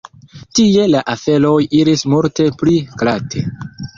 Tie la aferoj iris multe pli glate.